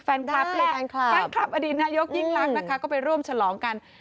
แฟนคลับแหละแฟนคลับอดีตนายกยิ่งรักนะคะก็ไปร่วมฉลองกัน